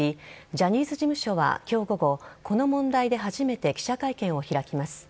ジャニーズ事務所は今日午後この問題で初めて記者会見を開きます。